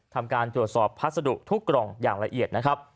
ทำการตรวจสอบพัสดุทุกกล่องอย่างละเอียดนะครับ